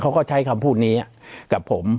เขาก็ใช้คำพูดนี้กับผม